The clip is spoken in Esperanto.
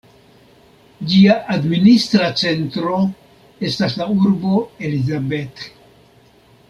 Ĝia administra centro estas la urbo Elizabeth.